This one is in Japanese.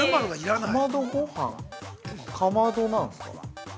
◆かまどごはんかまどなんですか？